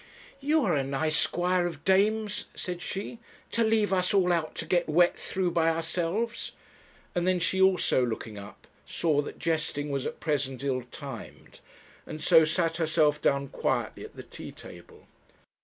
'You are a nice squire of dames,' said she, 'to leave us all out to get wet through by ourselves;' and then she also, looking up, saw that jesting was at present ill timed, and so sat herself down quietly at the tea table.